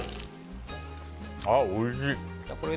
ああ、おいしい。